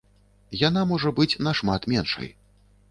Яна можа быць нашмат меншай.